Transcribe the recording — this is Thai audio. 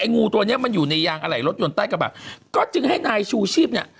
งูตัวเนี้ยมันอยู่ในยางอะไหล่รถยนต์ใต้กระบะก็จึงให้นายชูชีพเนี่ย